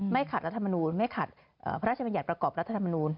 ขัดรัฐมนูลไม่ขัดพระราชบัญญัติประกอบรัฐธรรมนูล